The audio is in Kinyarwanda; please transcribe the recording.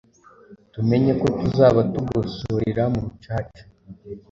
tumenye ko tuzaba tugosorera mu rucaca".